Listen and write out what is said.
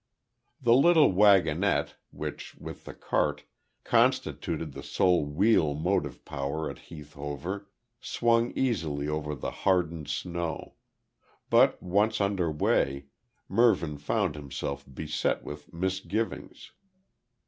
The light waggonette, which, with the cart, constituted the sole wheel motive power at Heath Hover, swung easily over the hardened snow; but once under way, Mervyn felt himself beset with misgivings.